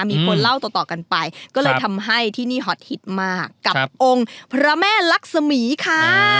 มีคนเล่าต่อกันไปก็เลยทำให้ที่นี่ฮอตฮิตมากกับองค์พระแม่ลักษมีค่ะ